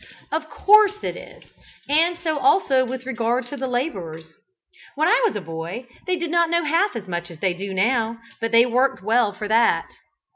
Of course it is, and so also with regard to the labourers. When I was a boy they did not know half as much as they do now, but they worked well for all that.